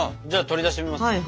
じゃあ取り出してみます。